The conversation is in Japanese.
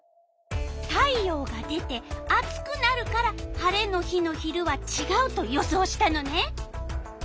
太陽が出て暑くなるから晴れの日の昼はちがうと予想したのね。